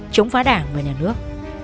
chống phá đảng và nhà nước